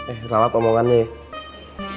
eh relat omongannya ya